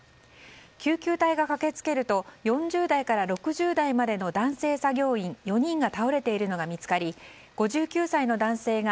救急隊が駆けつけると４０代から６０代までの男性作業員４人が倒れているのが見つかり５９歳の男性が